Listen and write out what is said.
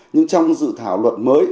nhưng trong sự thảo luận mới